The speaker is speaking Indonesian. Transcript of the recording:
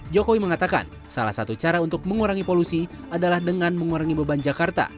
jokowi mengatakan salah satu cara untuk mengurangi polusi adalah dengan mengurangi beban jakarta